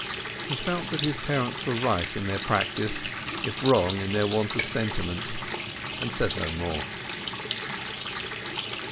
He felt that his parents were right in their practice if wrong in their want of sentiment, and said no more.